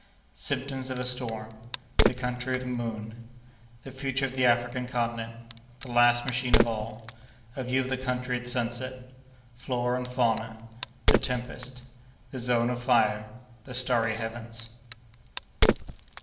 Symptoms of a Storm.—The Country of the Moon.—The Future of the African Continent.—The Last Machine of all.—A View of the Country at Sunset.—Flora and Fauna.—The Tempest.—The Zone of Fire.—The Starry Heavens.